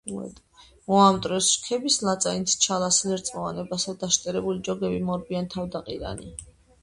მოამტვრევს რქების ლაწანით ჩალას ლერწმოვანებასა დაშტერებული ჯოგები მორბიან თავდაყირანი